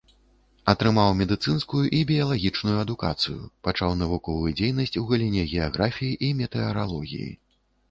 Атрымаў медыцынскую і біялагічную адукацыю, пачаў навуковую дзейнасць у галіне геаграфіі і метэаралогіі.